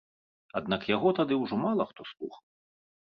Аднак яго тады ўжо мала хто слухаў.